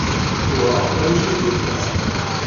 Uɣeɣ tannumi d uzɣal.